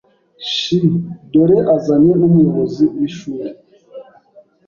Shiii! Dore azanye n’umuyobozi w’ishuri.